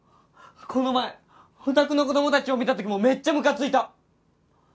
この前お宅の子供たちを見た時もめっちゃむかついた。